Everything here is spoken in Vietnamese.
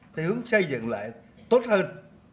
thì hướng xây dựng lại tốt hơn